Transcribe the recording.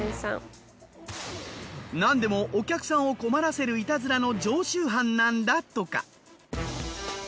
なんでもお客さんを困らせるイタズラの常習犯なんだとか。